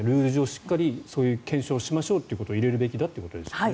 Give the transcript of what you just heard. しっかりそういう検証をしましょうということを入れるべきだということですよね。